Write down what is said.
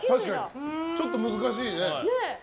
ちょっと難しいところね。